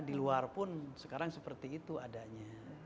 di luar pun sekarang seperti itu adanya